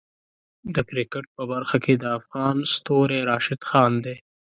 د کرکټ په برخه کې د افغانو ستوری راشد خان دی.